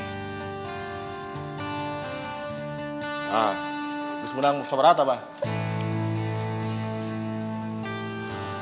nah bisa menang sama rata bang